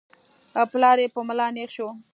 پلار يې په ملا نېغ شو.